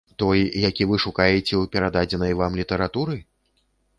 Той, які вы шукаеце ў перададзенай вам літаратуры?